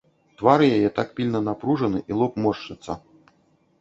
Твар яе так пільна напружаны, і лоб моршчыцца.